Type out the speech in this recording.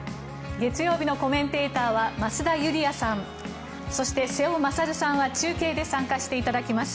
月曜日のコメンテーターは増田ユリヤさんそして、瀬尾傑さんは中継で参加していただきます。